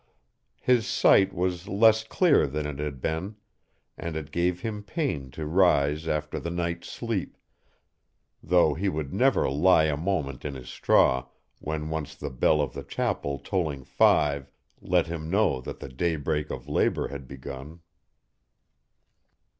His sight was less clear than it had been, and it gave him pain to rise after the night's sleep, though he would never lie a moment in his straw when once the bell of the chapel tolling five let him know that the daybreak of labor had begun.